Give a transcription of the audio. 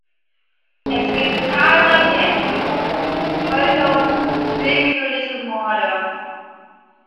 Es gibt zahlreiche Entführungen, Folterungen und willkürliche Morde.